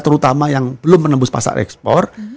terutama yang belum menembus pasar ekspor